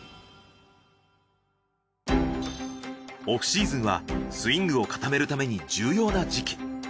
オフシーズンはスイングを固めるために重要な時期。